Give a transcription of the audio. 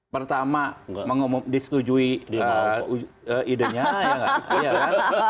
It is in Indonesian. pertama disetujui idenya ya nggak